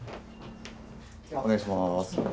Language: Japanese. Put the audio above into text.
お願いします。